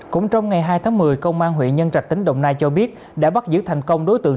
cũng trong ngày hai tháng một mươi công an huyện nhân trạch tỉnh đồng nai cho biết đã bắt giữ thành công đối tượng